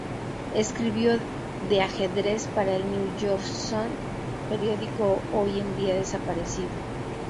Escribió de ajedrez para el New York Sun, periódico hoy en día desaparecido.